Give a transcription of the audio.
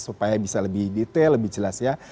supaya bisa lebih detail lebih jelas ya